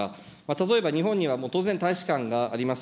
例えば日本には当然、大使館があります。